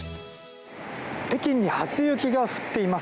北京に初雪が降っています。